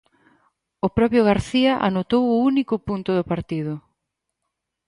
O propio García anotou o único punto do partido.